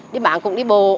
đi bán cũng đi bộ